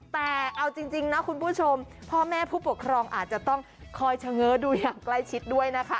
แต่เอาจริงนะคุณผู้ชมพ่อแม่ผู้ปกครองอาจจะต้องคอยเฉง้อดูอย่างใกล้ชิดด้วยนะคะ